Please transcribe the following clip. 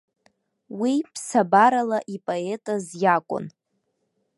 Уи ԥсабарала ипоетыз иакәын.